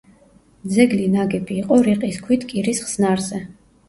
ძეგლი ნაგები იყო რიყის ქვით კირის ხსნარზე.